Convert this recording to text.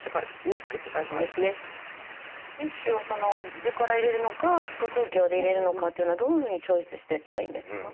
メッシュを腟から入れるのか腹くう鏡で入れるのかというのはどういうふうにチョイスしていったらいいんですか？